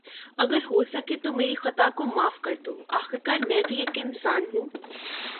اگر ہوسکے تو میری خطا کو معاف کردو۔ آخر کار میں بھی ایک انسان ہوں۔